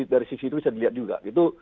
dari sisi itu bisa dilihat juga gitu